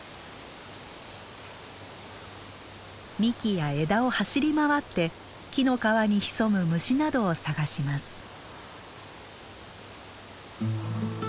幹や枝を走り回って木の皮に潜む虫などを探します。